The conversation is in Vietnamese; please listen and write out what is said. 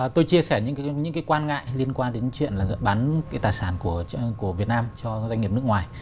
tôi chia sẻ những quan ngại liên quan đến chuyện bán tài sản của việt nam cho doanh nghiệp nước ngoài